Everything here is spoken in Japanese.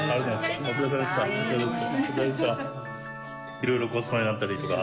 いろいろごちそうになったりとか。